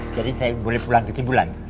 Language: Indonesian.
jadi saya boleh pulang ke cibulan